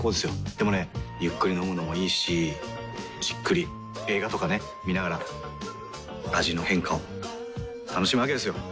でもねゆっくり飲むのもいいしじっくり映画とかね観ながら味の変化を楽しむわけですよ。